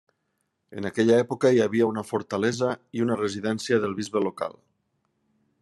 En aquella època hi havia una fortalesa i una residència del bisbe local.